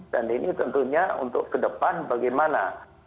dan ini tentunya untuk kedepan bagaimana